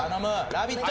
ラヴィット！